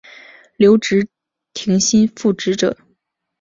留职停薪复职者